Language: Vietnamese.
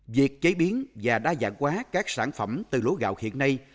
việc chế biến và đa dạng quá các sản phẩm từ lúa gạo hiện nay